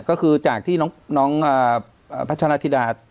ก็คือจากที่น้องพัชราธิดา